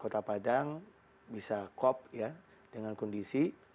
kota padang bisa cop ya dengan kondisi